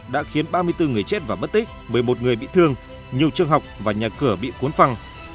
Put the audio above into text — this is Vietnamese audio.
đã khiến ba mươi bốn người chết và mất tích một mươi một người bị thương nhiều trường học và nhà cửa bị cuốn phăng